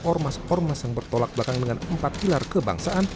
ormas ormas yang bertolak belakang dengan empat pilar kebangsaan